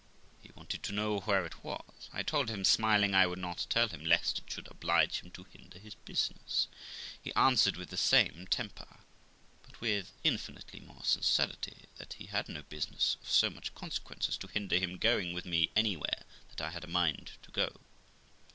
He wanted to know where it was. I told him, smiling, I would not tell him, lest it should oblige him to hinder his business. He answered with the same temper, but with infinitely more sincerity, that he had no business of so much consequence as to hinder him going with me anywhere that I had a mind to go.